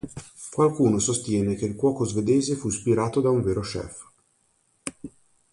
Qualcuno sostiene che il Cuoco Svedese fu ispirato da un vero chef.